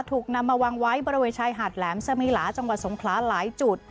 ถูกนำมาวางไว้บริเวณชายหาดแหลมสมิลาจังหวัดสงคลาหลายจุด